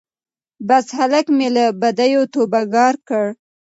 بس هلک مي له بدیو توبه ګار کړ